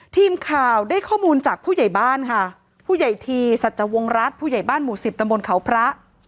ทีมข่าวได้ข้อมูลจากผู้ใหญ่บ้านค่ะผู้ใหญ่ทีสัจวงรัฐผู้ใหญ่บ้านหมู่สิบตำบลเขาพระ